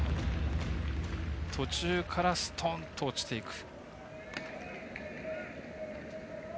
途中からストンと落ちていく。